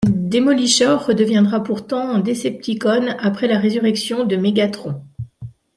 Demolisher redeviendra pourtant decepticon après la résurrection de Mégatron.